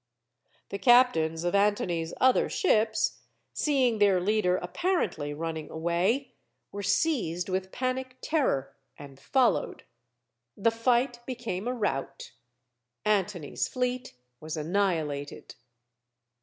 The captains of Antony's other ships, seeing their leader apparently running away, were seized with panic terror, and followed. The fight became a rout. Antony's fleet was annihilated.